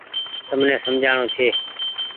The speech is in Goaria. تم ني سمجهآڻو ڇي۔